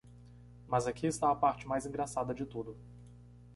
Mas aqui está a parte mais engraçada de tudo.